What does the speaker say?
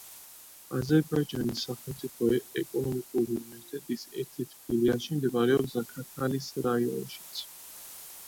აზერბაიჯანის სახელმწიფო ეკონომიკური უნივერსიტეტის ერთ-ერთი ფილიალი მდებარეობს ზაქათალის რაიონშიც.